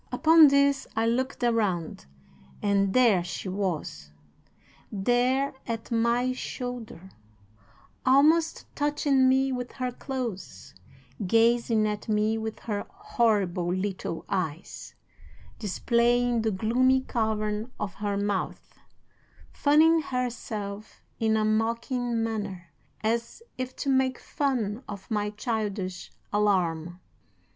"'Upon this, I looked around and there she was! There at my shoulder, almost touching me with her clothes, gazing at me with her horrible little eyes, displaying the gloomy cavern of her mouth, fanning herself in a mocking manner, as if to make fun of my childish alarm.